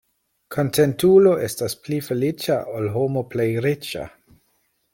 Kontentulo estas pli feliĉa, ol homo plej riĉa.